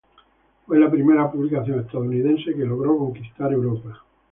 Fue la primera publicación estadounidense que logró conquistar Europa.